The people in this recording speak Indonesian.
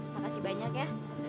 makasih banyak ya